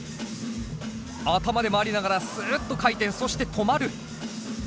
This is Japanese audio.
頭で回りながらスーッと回転そして止まる。